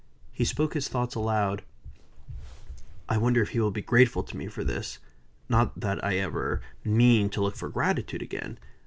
He spoke his thoughts aloud: "I wonder if he will be grateful to me for this. Not that I ever mean to look for gratitude again.